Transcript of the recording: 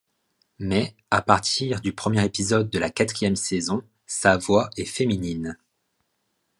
Mais à partir du premier épisode de la quatrième saison, sa voix est féminine.